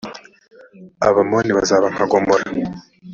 abamoni bazaba nka gomora